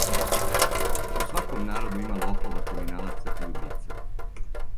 У сваком народу има лопова, криминалаца и убица.